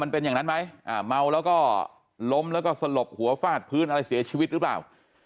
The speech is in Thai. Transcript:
มันเป็นอย่างนั้นไหมเมาแล้วก็ล้มแล้วก็สลบหัวฟาดพื้นอะไรเสียชีวิตหรือเปล่า